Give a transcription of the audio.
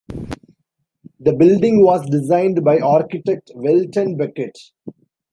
The building was designed by architect Welton Becket.